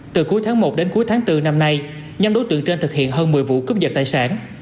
từ cuối tháng một đến cuối tháng bốn năm nay nhắm đối tượng trên thực hiện hơn một mươi vụ cướp dật tài sản